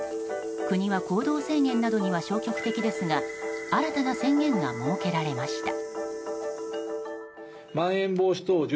国は行動制限などには消極的ですが新たな宣言が設けられました。